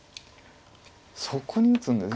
そこに打つんだ。